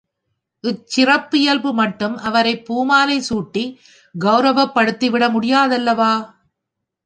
இச் சிறப்பியல்பு மட்டும் அவரைப் பூமாலை சூட்டிக் கவுரவப்படுத்திவிட முடியாதல்லவா?